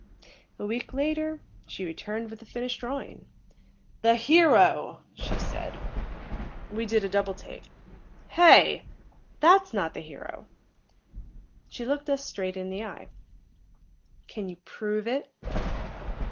A week later, she returned with the finished drawing. "The hero," she said. We did a double take. "Hey! That's not the hero." She looked us straight in the eye. "Can you prove it?"